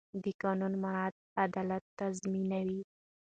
د قانون مراعت عدالت تضمینوي